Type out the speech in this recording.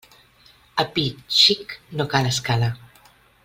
A pi xic no cal escala.